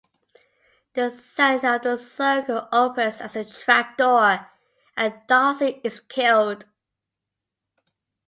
The centre of the circle opens as a trapdoor and Darcy is killed.